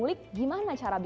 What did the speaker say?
di jualan di jualan